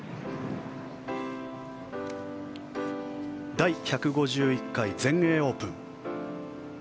第１５１回全英オープン。